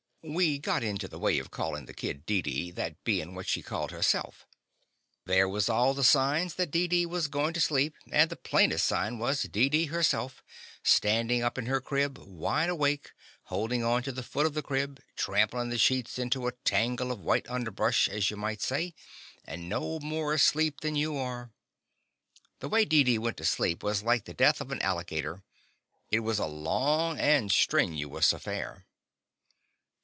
We got into the way of callin' the kid Deedee, that bein' what she called herself. There was all the signs that Deedee was goin' to sleep, and the plainest sign was Deedee herself, standin' up in her crib, wide awake, holdin' on to the foot of the crib, trampin' the sheets into a tangle of white underbrush, as you might say, and no more asleep than you are. The The Confessions of a Daddy way Deedee went to sleep was like the death of an alligator — ^it was a long and strenuous affair.